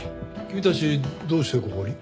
君たちどうしてここに？